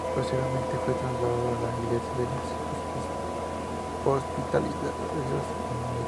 Posteriormente fue trasladado a la Iglesia de los Hospitalarios en Nicosia.